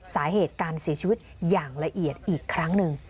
สาเหตุการเสียชีวิตอย่างละเอียดอีกครั้งหนึ่ง